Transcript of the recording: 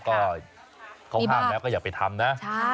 ก็เขาห้ามแล้วก็อย่าไปทำนะ